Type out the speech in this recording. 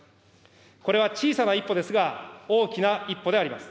これは小さな一歩ですが、大きな一歩であります。